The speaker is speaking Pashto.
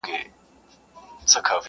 یوه ورځ به داسي راسي!.